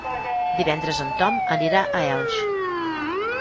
Divendres en Tom anirà a Elx.